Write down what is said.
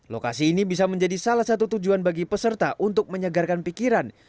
lokasi ini bisa menjadi salah satu tujuan bagi peserta untuk menyegarkan pikiran